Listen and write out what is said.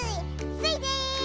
スイです！